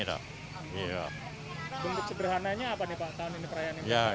bumbuk sederhananya apa nih pak